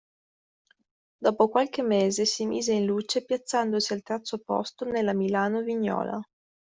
Dopo qualche mese si mise in luce piazzandosi al terzo posto nella Milano-Vignola.